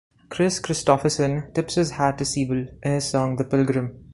Kris Kristofferson tips his hat to Siebel in his song "The Pilgrim".